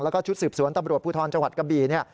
แล้วก็ชุดสืบสวนตำรวจพจกบี